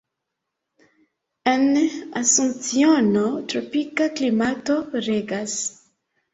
En Asunciono tropika klimato regas.